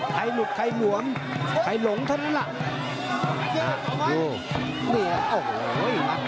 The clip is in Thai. ใครหลุดใครหลวงใครหลงเท่านั้นล่ะโอ้โหโอ้โหโอ้โหโอ้โหโหโหโหโหโห